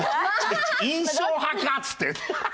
印象派かっつって！という